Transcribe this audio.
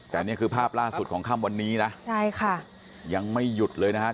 แต่นี่คือภาพล่าสุดของค่ำวันนี้นะใช่ค่ะยังไม่หยุดเลยนะครับ